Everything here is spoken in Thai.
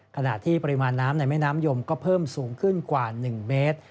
ขณะที่ปริมาณน้ำในแม่น้ำยมก็เพิ่มสูงขึ้นกว่า๑เมตร